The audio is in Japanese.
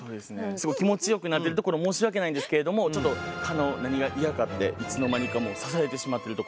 すごい気持ちよくなってるところ申し訳ないんですけれどもちょっと蚊の何が嫌かっていつの間にか刺されてしまってるところ。